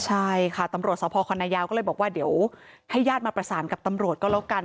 ใช่ค่ะตำรวจสพคันนายาวก็เลยบอกว่าเดี๋ยวให้ญาติมาประสานกับตำรวจก็แล้วกัน